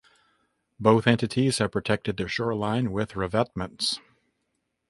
Both entities have protected their shoreline with revetments.